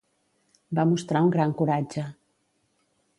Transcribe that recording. Va mostrar un gran coratge.